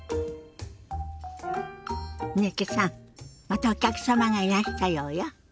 またお客様がいらしたようよ。